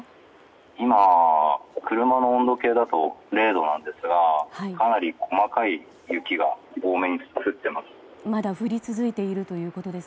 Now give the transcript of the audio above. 今、車の温度計だと０度なんですがかなり細かい雪が多めに降ってます。